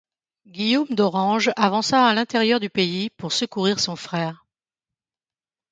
Guillaume d'Orange avança à l'intérieur du pays pour secourir son frère.